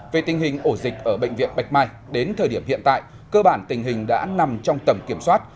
về tình hình ổ dịch ở bệnh viện bạch mai đến thời điểm hiện tại cơ bản tình hình đã nằm trong tầm kiểm soát